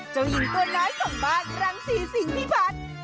เจ้าหญิงตัวน้อยของบ้านรังศรีสิงพิพัฒน์